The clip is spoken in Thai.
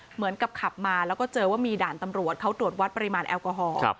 เหมือนกับขับมาแล้วก็เจอว่ามีด่านตำรวจเขาตรวจวัดปริมาณแอลกอฮอล์